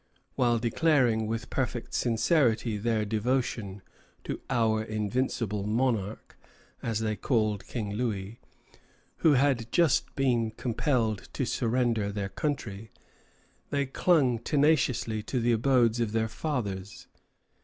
While declaring with perfect sincerity their devotion to "our invincible monarch," as they called King Louis, who had just been compelled to surrender their country, they clung tenaciously to the abodes of their fathers.